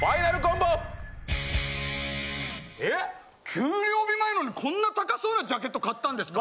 給料日前なのにこんな高そうなジャケット買ったんですか？